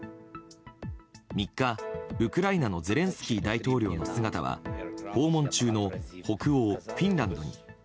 ３日、ウクライナのゼレンスキー大統領の姿は訪問中の北欧フィンランドに。